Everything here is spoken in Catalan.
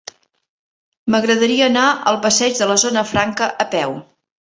M'agradaria anar al passeig de la Zona Franca a peu.